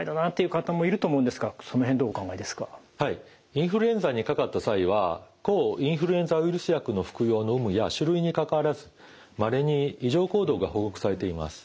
インフルエンザにかかった際は抗インフルエンザウイルス薬の服用の有無や種類にかかわらずまれに異常行動が報告されています。